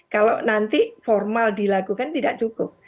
kalau nanti formal dilakukan tidak cukup